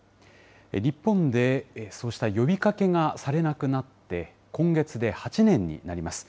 日本でそうした呼びかけがされなくなって、今月で８年になります。